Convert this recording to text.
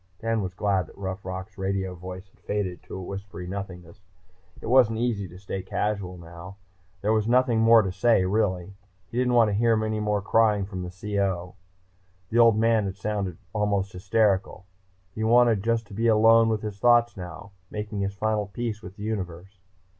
Dan was glad that Rough Rock's radio voice faded to a whispery nothingness. It wasn't easy to stay casual now. There was nothing more to say, really, and he didn't want to hear any more crying from the CO. The Old Man had sounded almost hysterical. He wanted just to be alone with his thoughts now, making his final peace with the universe....